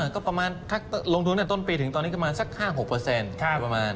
ก็ประมาณถ้าลงทุนตั้งแต่ต้นปีถึงตอนนี้ก็ประมาณสัก๕๖ประมาณ